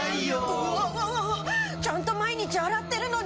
うわわわわちゃんと毎日洗ってるのに。